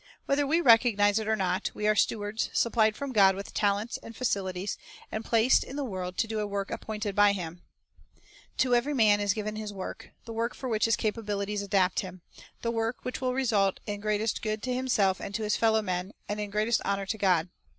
Whether we recognize it or not, we are stewards, supplied from God with talents and facilities, and placed in the world to do a work appointed by Him. ! Ps. 119:72. 1 38 The Bible as cm J\du eator "Be Not Anxious To every man is given "his work," 1 — the work for which his capabilities adapt him, — the work which will result in greatest good to himself and to his fellow men, and in greatest honor to God.